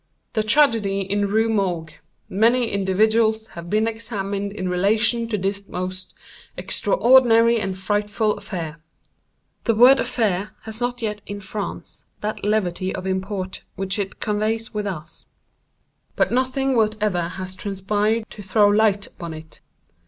"The Tragedy in the Rue Morgue.—Many individuals have been examined in relation to this most extraordinary and frightful affair" [The word 'affaire' has not yet, in France, that levity of import which it conveys with us], "but nothing whatever has transpired to throw light upon it.